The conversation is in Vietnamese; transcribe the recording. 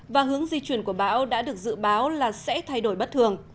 và hướng di chuyển của bão đã được dự báo là sẽ thay đổi bất thường